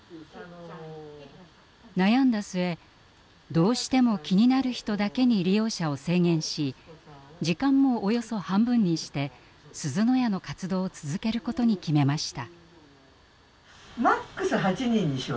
悩んだ末どうしても気になる人だけに利用者を制限し時間もおよそ半分にしてすずの家の活動を続けることに決めました。